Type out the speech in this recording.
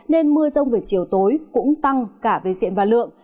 nên mưa rông về chiều tối cũng tăng cả về diện và lượng